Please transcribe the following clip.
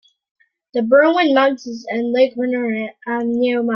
The Berwyn Mountains and Lake Vyrnwy are nearby.